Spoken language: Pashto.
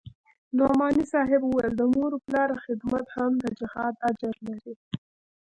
نعماني صاحب وويل د مور و پلار خدمت هم د جهاد اجر لري.